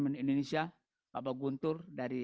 bapak bupati guntur